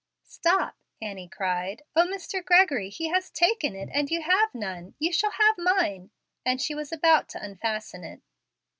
"Stop," Annie cried. "O Mr. Gregory! he has taken it and you have none. You shall have mine;" and she was about to unfasten it.